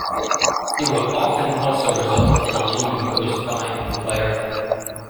It will often also result in a league-imposed fine on the player.